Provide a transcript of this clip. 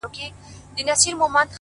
• مـاتــه يــاديـــده اشـــــنـــا؛